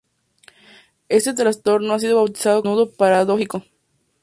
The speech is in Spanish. Este trastorno ha sido bautizado como desnudo paradójico.